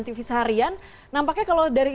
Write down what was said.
tv seharian nampaknya kalau dari